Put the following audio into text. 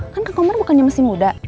kan kang komar bukannya masih muda